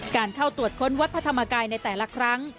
การเข้าตรวจค้นวัดพระธรรมกายในแต่ละครั้ง